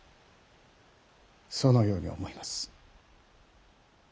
そのように思います。